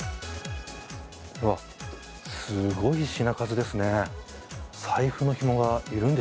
うわ、すごい品数ですね。